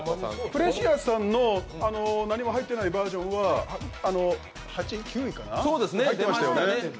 プレシアさんの何も入っていないバージョンは７位かな、入ってましたよね？